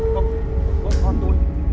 vợ con tui